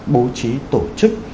bố trí tổ chức